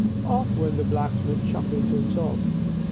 Of! went the blacksmith, chuckling to himself.